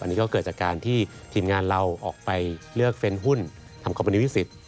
อันนี้ก็เกิดจากการที่ทีมงานเราออกไปเลือกเซ็นหุ้นทำคอมมินิวิสิต